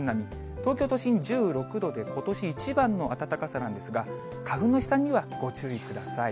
東京都心１６度で、ことし一番の暖かさなんですが、花粉の飛散にはご注意ください。